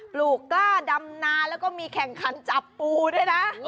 ลูกกล้าดำนาแล้วก็มีแข่งขันจับปูด้วยนะ